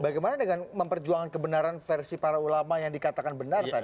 bagaimana dengan memperjuangkan kebenaran versi para ulama yang dikatakan benar tadi